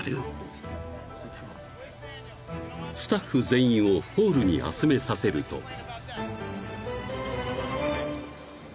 ［スタッフ全員をホールに集めさせると］